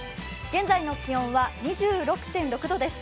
現在の気温は２６．６度です。